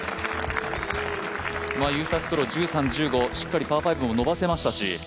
１３、１５、しっかりパー５も伸ばせましたし。